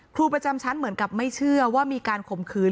ครูประจำชั้นเหมือนกับไม่เชื่อว่ามีการข่มขืน